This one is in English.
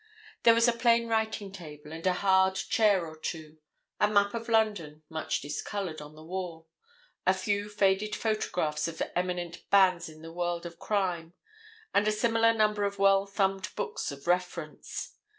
There was a plain writing table and a hard chair or two; a map of London, much discoloured, on the wall; a few faded photographs of eminent bands in the world of crime, and a similar number of well thumbed books of reference.